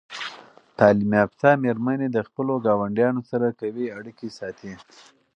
تعلیم یافته میرمنې د خپلو ګاونډیانو سره قوي اړیکې ساتي.